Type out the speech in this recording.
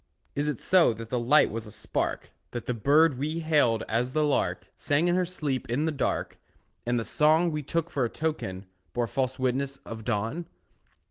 Is it so, that the light was a spark, That the bird we hailed as the lark Sang in her sleep in the dark, And the song we took for a token Bore false witness of dawn?